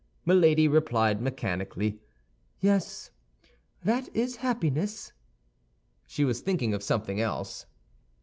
Milady replied mechanically, "Yes, that is happiness." She was thinking of something else.